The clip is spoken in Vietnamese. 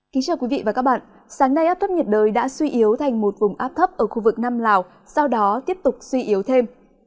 kính chào quý vị và các bạn sáng nay áp thấp nhiệt đới đã suy yếu thành một vùng áp thấp ở khu vực nam lào sau đó tiếp tục suy yếu thêm